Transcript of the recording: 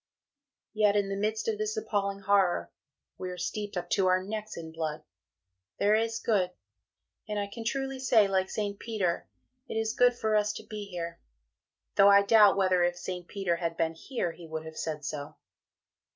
Yet in the midst of this appalling Horror (we are steeped up to our necks in blood) there is good, and I can truly say, like St. Peter, "It is good for us to be here" though I doubt whether if St. Peter had been here, he would have said so.